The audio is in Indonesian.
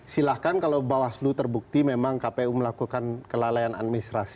silahkan kalau bawaslu terbukti memang kpu melakukan kelalaian administrasi